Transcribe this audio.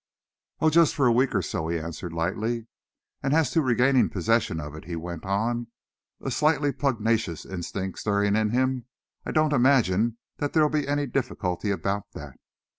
"Oh, just for a week or so," he answered lightly, "and as to regaining possession of it," he went on, a slightly pugnacious instinct stirring him, "I don't imagine that there'll be any difficulty about that."